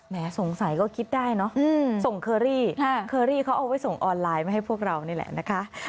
สงสัยก็คิดได้เนอะส่งเคอรี่เคอรี่เขาเอาไว้ส่งออนไลน์มาให้พวกเรานี่แหละนะคะ